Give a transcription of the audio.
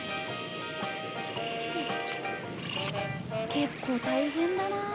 結構大変だなあ。